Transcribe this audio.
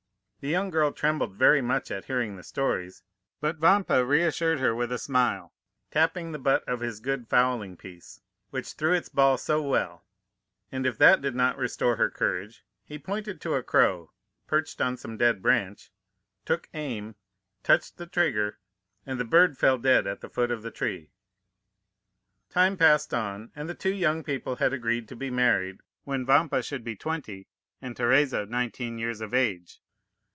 The young girl trembled very much at hearing the stories; but Vampa reassured her with a smile, tapping the butt of his good fowling piece, which threw its ball so well; and if that did not restore her courage, he pointed to a crow, perched on some dead branch, took aim, touched the trigger, and the bird fell dead at the foot of the tree. Time passed on, and the two young people had agreed to be married when Vampa should be twenty and Teresa nineteen years of age.